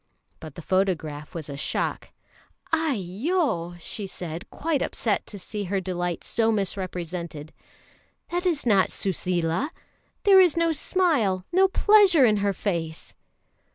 But the photograph was a shock. "Aiyo!" she said, quite upset to see her delight so misrepresented, "that is not Suseela! There is no smile, no pleasure in her face!"